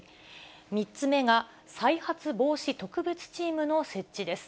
３つ目が再発防止特別チームの設置です。